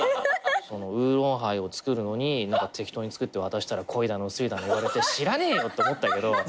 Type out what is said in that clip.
ウーロンハイを作るのに適当に作って渡したら濃いだの薄いだの言われて知らねえよ！って思ったけど。